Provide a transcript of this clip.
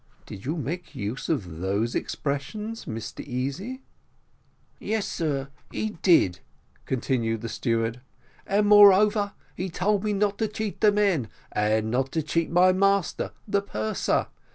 "Did you make use of those expressions, Mr Easy?" "Yes, sir, he did," continued the steward, "and, moreover, told me not to cheat the men, and not to cheat my master the purser.